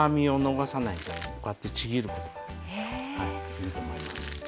いいと思います。